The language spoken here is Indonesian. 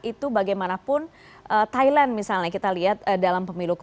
itu bagaimanapun thailand misalnya kita lihat dalam pemilu